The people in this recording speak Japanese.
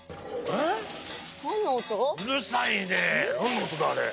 あれ。